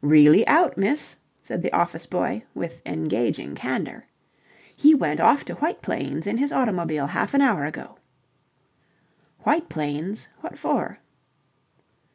"Really out, miss," said the office boy, with engaging candour. "He went off to White Plains in his automobile half an hour ago." "White Plains? What for?"